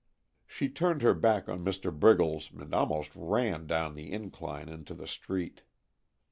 She turned her back on Mr. Briggles and almost ran down the incline into the street.